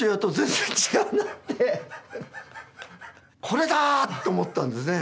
「これだ！」って思ったんですね。